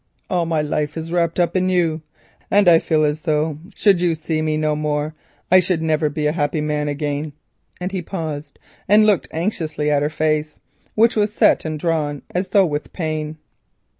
All my life is wrapped up in you, and I feel as though, should you see me no more, I could never be a happy man again," and he paused and looked anxiously at her face, which was set and drawn as though with pain.